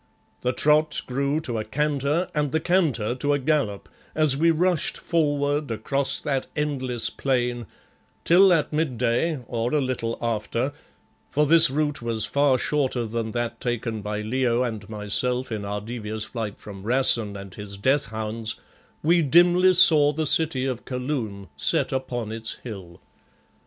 The trot grew to a canter, and the canter to a gallop, as we rushed forward across that endless plain, till at midday, or a little after for this route was far shorter than that taken by Leo and myself in our devious flight from Rassen and his death hounds we dimly saw the city of Kaloon set upon its hill.